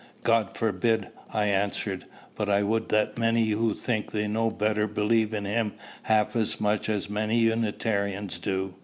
"God forbid!" I answered. "But I would that many who think they know better believed in him half as much as many Unitarians do.